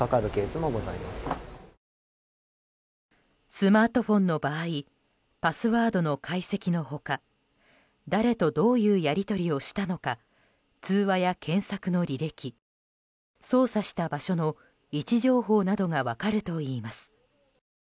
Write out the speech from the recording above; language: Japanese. スマートフォンの場合パスワードの解析の他誰とどういうやり取りをしたのか通話や検索の履歴操作した場所の位置情報などが分かるといいます。